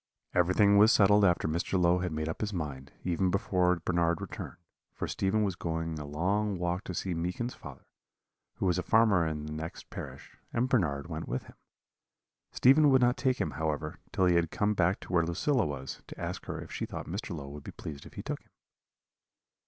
"Everything was settled after Mr. Low had made up his mind, even before Bernard returned; for Stephen was going a long walk to see Meekin's father, who was a farmer in the next parish, and Bernard went with him. Stephen would not take him, however, till he had come back to where Lucilla was, to ask her if she thought Mr. Low would be pleased if he took him.